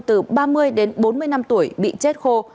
từ ba mươi đến bốn mươi năm tuổi bị chết khô